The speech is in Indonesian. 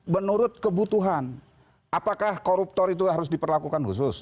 menurut kebutuhan apakah koruptor itu harus diperlakukan khusus